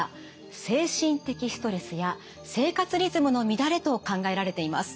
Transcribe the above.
精神的ストレスや生活リズムの乱れと考えられています。